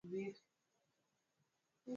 nimekutwa na butwaa kidogo mara baada